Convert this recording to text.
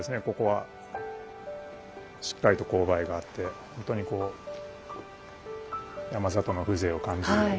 ここはしっかりと勾配があってほんとにこう山里の風情を感じる。